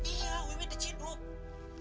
iya wiwin diciduk